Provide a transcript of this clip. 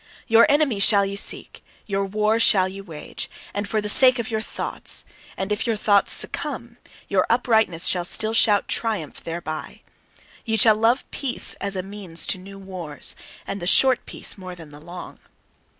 Your enemy shall ye seek; your war shall ye wage, and for the sake of your thoughts! And if your thoughts succumb, your uprightness shall still shout triumph thereby! Ye shall love peace as a means to new wars and the short peace more than the long.